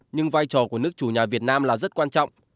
nhưng vai trò của nước chủ nhà việt nam là rất quan trọng